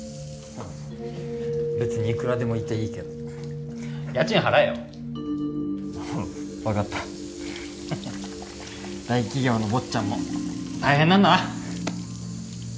うん別にいくらでもいていいけど家賃払えようん分かった大企業のぼっちゃんも大変なんだな